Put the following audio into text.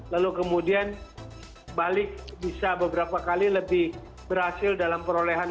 lalu kemudian balik bisa beberapa kali lebih berhasil dalam perolehan